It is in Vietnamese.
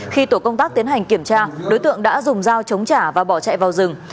khi tổ công tác tiến hành kiểm tra đối tượng đã dùng dao chống trả và bỏ chạy vào rừng